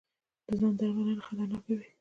د ځاندرملنه خطرناکه وي.